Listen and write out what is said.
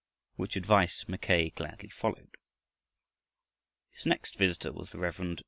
Which advice Mackay gladly followed. His next visitor was the Rev. Mr.